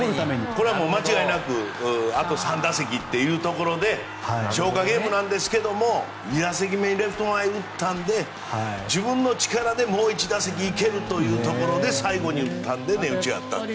これは間違いなくあと３打席というところで消化ゲームなんですが２打席目、レフト前に打ったので自分の力でもう１打席行けるというところで最後に打ったので値打ちがあった。